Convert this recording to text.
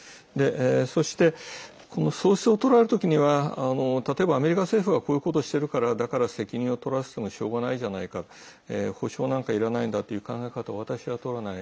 そしてこの喪失を捉える時には例えば、アメリカ政府がこういうことをしてるからだから責任を取らせてもしょうがないじゃないか補償なんかいらないんだという考え方を私はとらない。